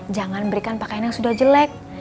jangan berikan pakaian yang sudah jelek